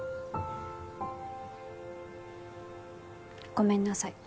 ごめんなさい。